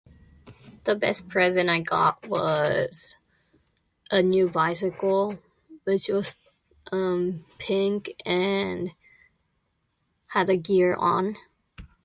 The best present I got was a new bicycle. It was just, um, pink and had a gear on.